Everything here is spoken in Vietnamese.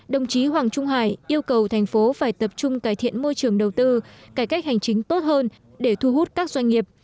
đồng chí hoàng trung hải yêu cầu thành phố phải tập trung cải thiện môi trường đầu tư cải cách hành chính tốt hơn để thu hút các doanh nghiệp